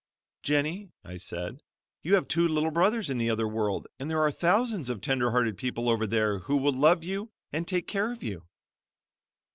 "Jennie" I said, "You have two little brothers in the other world, and there are thousands of tenderhearted people over there, who will love you and take care of you."